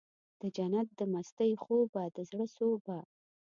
دجنت د مستۍ خوبه د زړه سوبه